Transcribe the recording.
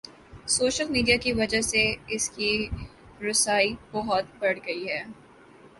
Social media کی وجہ سے اس کی رسائی بہت بڑھ گئی ہے۔